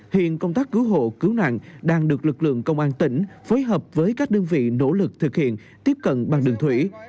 hiện công tác cứu hộ cứu nạn đang được lực lượng công an tỉnh phối hợp với các đơn vị nỗ lực thực hiện tiếp cận bằng đường thủy